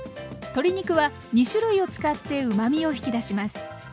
鶏肉は２種類を使ってうまみを引き出します。